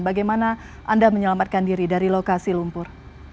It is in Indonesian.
bagaimana anda menyelamatkan diri dari lokasi lumpur